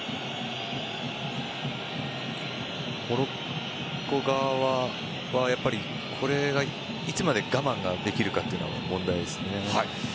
モロッコ側はいつまで我慢ができるかというのは問題ですね。